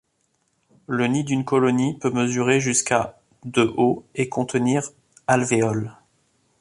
Le nid d'une colonie peut mesurer jusqu'à de haut et contenir alvéoles.